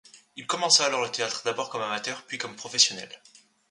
Il commença alors le théâtre, d'abord comme amateur, puis comme professionnel.